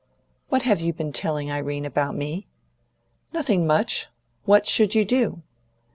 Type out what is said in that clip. "What have you been telling Irene about me?" "Nothing much. What should you do?"